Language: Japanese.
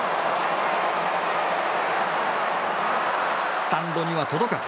スタンドには届かず。